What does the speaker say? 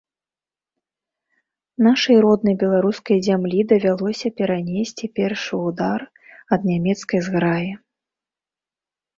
Нашай роднай беларускай зямлі давялося перанесці першы ўдар ад нямецкай зграі.